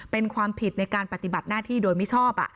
เป็นความผิดในการปฏิบัติหน้าที่โดยมิชอบ